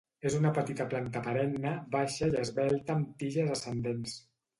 És una petita planta perenne, baixa i esvelta amb tiges ascendents.